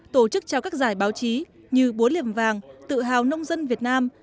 tổ chức trao các giải báo chí như búa liềm vàng tự hào nông dân việt nam